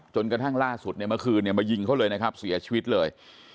กระทั่งล่าสุดเนี่ยเมื่อคืนเนี่ยมายิงเขาเลยนะครับเสียชีวิตเลย